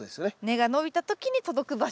根が伸びた時に届く場所に。